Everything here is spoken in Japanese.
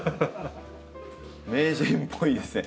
名人っぽいですね。